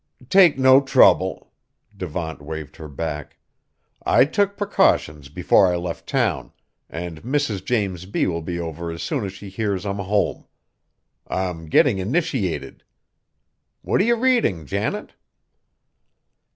"Take no trouble," Devant waved her back, "I took precautions before I left town, and Mrs. James B. will be over as soon as she hears I'm home. I'm getting initiated. What are you reading, Janet?"